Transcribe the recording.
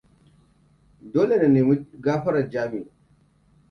Dole na nemi gafarar Jami.